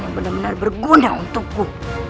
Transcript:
yang benar benar berguna untukku